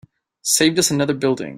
Saved us another building.